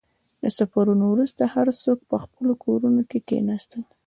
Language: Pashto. • د سفر وروسته، هر څوک په خپلو کورونو کښېناستل.